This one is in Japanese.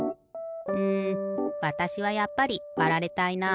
うんわたしはやっぱりわられたいな。